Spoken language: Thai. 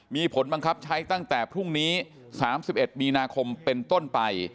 มีผลบังคับใช้ตั้งแต่พรุ่งนี้๓๑มีนาคมเป็นต้นไป